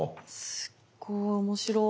すっごい面白！